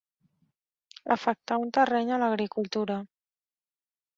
Afectar un terreny a l'agricultura.